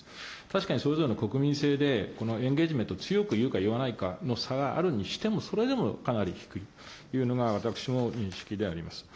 確かにそれぞれの国民性で、このエンゲージメント、強く言うか言わないかの差があるにしても、それでもかなり低いというのが私の認識であります。